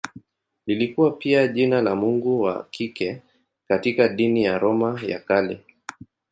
Lilikuwa pia jina la mungu wa kike katika dini ya Roma ya Kale.